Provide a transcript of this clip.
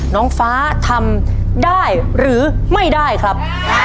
น้องฟ้าทำได้หรือไม่ได้ครับ